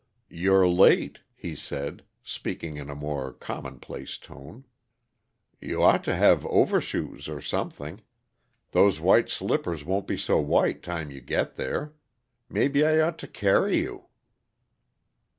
"You're late," he said, speaking in a more commonplace tone. "You ought to have overshoes, or something those white slippers won't be so white time you get there. Maybe I ought to carry you."